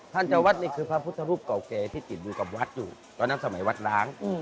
เจ้าวัดนี่คือพระพุทธรูปเก่าแก่ที่ติดอยู่กับวัดอยู่ตอนนั้นสมัยวัดล้าง